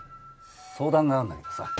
相談があんだけどさ。